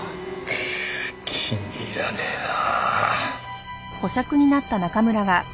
くう気に入らねえなあ。